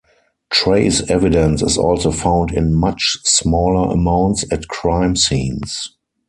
Trace Evidence is also found in much smaller amounts at crime scenes.